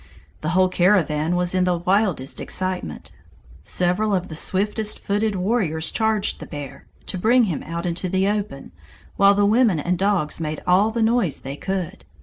The whole caravan was in the wildest excitement. Several of the swiftest footed warriors charged the bear, to bring him out into the open, while the women and dogs made all the noise they could.